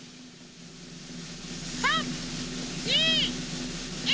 ３２１。